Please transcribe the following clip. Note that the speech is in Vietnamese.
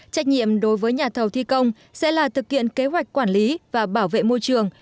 trách nhiệm đối với nhà thầu thi công sẽ là thực hiện kế hoạch quản lý và bảo vệ môi trường